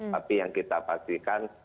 tapi yang kita pastikan